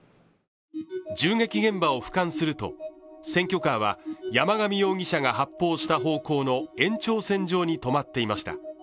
銃撃現場をふかんすると選挙カーは山上容疑者が発砲した方向の延長線上に止まっていました。